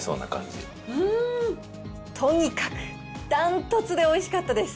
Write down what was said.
とにかく、断トツでおいしかったです。